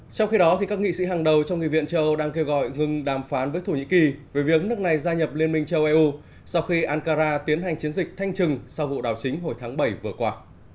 trong khi đó các nghị sĩ hàng đầu trong nghị viện châu âu đang kêu gọi ngừng đàm phán với thổ nhĩ kỳ về việc nước này gia nhập liên minh châu eu sau khi ankara tiến hành chiến dịch thanh trừng sau vụ đảo chính hồi tháng bảy vừa qua